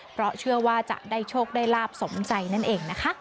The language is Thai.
เพราะเชื่อว่าจะได้โชคได้ลาบสมใจนั่นเองนะคะ